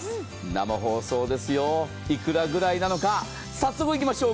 生放送ですよ、いくらぐらいなのか早速まいりましょう。